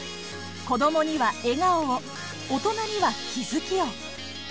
子どもには笑顔を大人には気づきを。